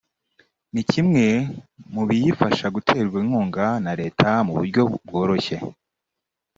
ni kimwe mu biyifasha guterwa inkunga na Leta mu buryo bworoshye